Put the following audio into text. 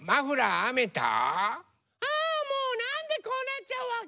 ああもうなんでこうなっちゃうわけ？